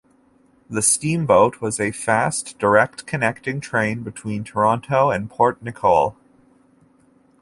The "Steam Boat" was a fast, direct connecting train between Toronto and Port McNicoll.